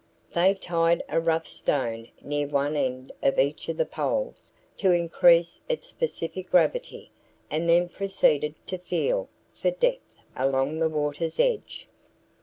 They tied a rough stone near one end of each of the poles to increase its specific gravity and then proceeded to "feel" for depth along the water's edge.